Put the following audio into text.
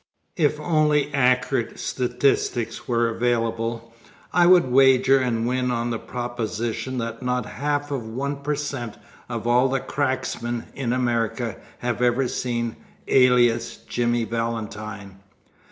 If only accurate statistics were available, I would wager and win on the proposition that not half of 1 per cent of all the cracksmen in America have ever seen Alias Jimmy Valentine.